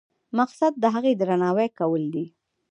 مقصد د هغې درناوی کول دي.